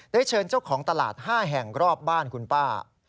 เชิญเจ้าของตลาด๕แห่งรอบบ้านคุณป้า